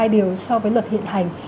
điều so với luật hiện hành